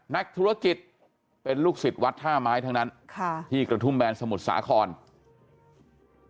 นักธุรกิจเป็นลูกศิษย์วัดท่าไม้ทั้งนั้นค่ะที่กระทุ่มแบนสมุทรสาคร